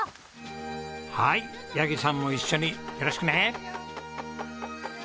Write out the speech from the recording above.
はいヤギさんも一緒によろしくね。